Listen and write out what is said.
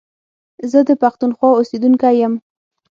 زه د پښتونخوا اوسېدونکی يم